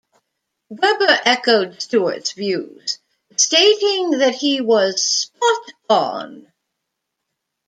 Webber echoed Stewart's views, stating that he was "spot on".